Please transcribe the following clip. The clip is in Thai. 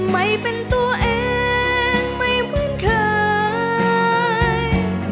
ไม่เป็นตัวเองไม่เหมือนเคย